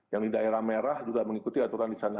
yang di daerah merah juga mengikuti aturan di sana